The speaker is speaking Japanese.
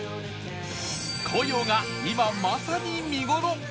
紅葉が今まさに見頃！